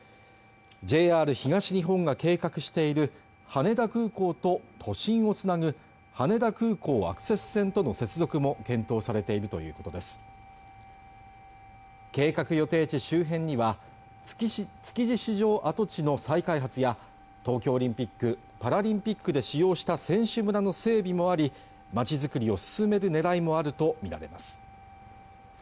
ＪＲ東日本が計画している羽田空港と都心をつなぐ羽田空港アクセス線との接続も検討されているということです計画予定地周辺には築地市場跡地の再開発や東京オリンピック・パラリンピックで使用した選手村の整備もありまちづくりを進める狙いもあると見られます